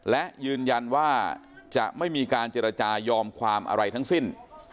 และยืนยันว่าจะไม่มีการเจรจายอมความอะไรทั้งสิ้น